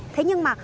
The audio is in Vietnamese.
thế nhưng mà